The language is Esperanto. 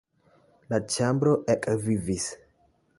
La ĉambro ekvivis.